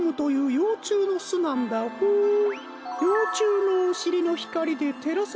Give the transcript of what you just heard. ようちゅうのおしりのひかりでてらされてるんだホー。